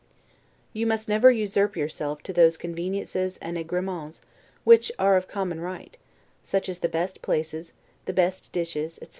You must never usurp to yourself those conveniences and 'agremens' which are of common right; such as the best places, the best dishes, etc.